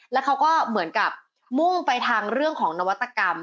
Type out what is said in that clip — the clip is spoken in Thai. แล้วเขาก็เหมือนกับมุ่งไปทางเรื่องของนวัตกรรม